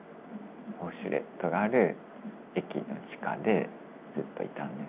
ウォシュレットがある駅の地下でずっといたんですね。